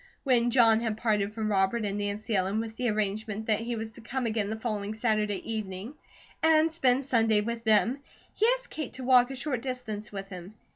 When John had parted from Robert and Nancy Ellen, with the arrangement that he was to come again the following Saturday evening and spend Sunday with them, he asked Kate to walk a short distance with him.